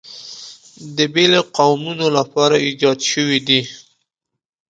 د بېلو قومونو لپاره ایجاد شوي دي.